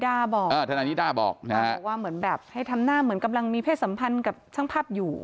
ทนายนิด้าบอกนะฮะบอกว่าเหมือนแบบให้ทำหน้าเหมือนกำลังมีเพศสัมพันธ์กับช่างภาพอยู่